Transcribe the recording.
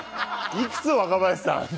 いくつ若林さん。